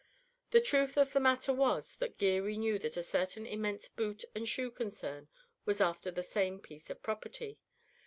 The truth of the matter was that Geary knew that a certain immense boot and shoe concern was after the same piece of property.